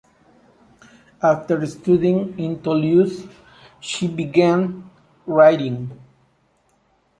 After studying in Toulouse, she began writing.